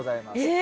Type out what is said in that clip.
え！